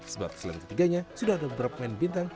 sebab selain ketiganya sudah ada beberapa pemain bintang